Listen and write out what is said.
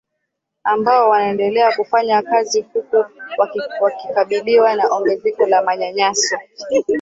ambao wanaendelea kufanya kazi huku wakikabiliwa na ongezeko la manyanyaso